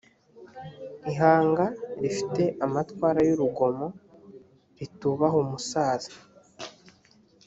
ihanga rifite amatwara y’urugomo, ritubaha umusaza,